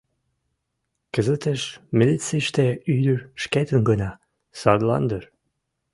Кызытеш милицийыште ӱдыр шкетын гына, садлан дыр.